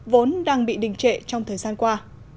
vốn đang bị đình trệ trong thời gian qua